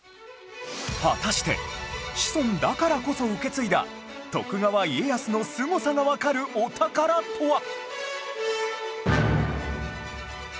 果たしてシソンだからこそ受け継いだ徳川家康のすごさがわかるお宝とは！？